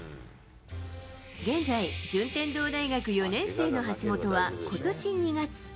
現在、順天堂大学４年生の橋本はことし２月。